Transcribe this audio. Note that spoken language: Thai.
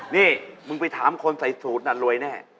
นี่มึงไปถามคนใส่สูตรน่ะรวยแน่